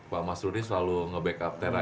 pak mas ruri selalu nge backup terra ya